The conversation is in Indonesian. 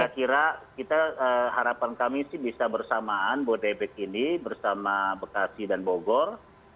saya kira harapan kami sih bisa bersamaan bodebek ini bersama bekasi dan bogor